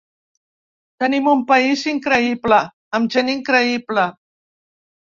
Tenim un país increïble, amb gent increïble.